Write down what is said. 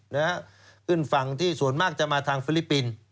ขึ้นฝั่งที่ส่วนมากจะมาทางฟิลิปปินส์